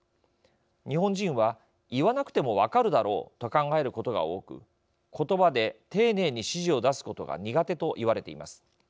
日本人は言わなくても分かるだろうと考えることが多く言葉で丁寧に指示を出すことが苦手と言われています。